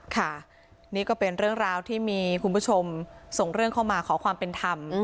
ค่ะนี่ก็เป็นเรื่องราวที่มีคุณผู้ชมส่งเรื่องเข้ามาขอความเป็นธรรม